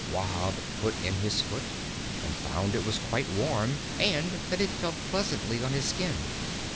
Wahb put in his foot, and found it was quite warm and that it felt pleasantly on his skin.